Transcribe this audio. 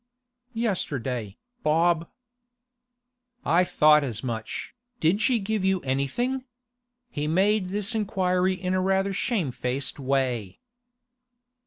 'Yesterday, Bob.' 'I thought as much, Did she give you anything?' He made this inquiry in rather a shamefaced way.